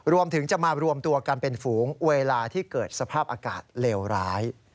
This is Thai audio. รวมถึงจะมารวมตัวกันเป็นฝูงเวลาที่เกิดสภาพอากาศเลวร้าย